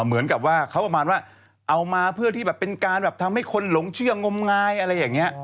เหมือนกับว่าเขาประมาณว่าเอามาเพื่อที่แบบเป็นการแบบทำให้คนหลงเชื่องมงายอะไรอย่างนี้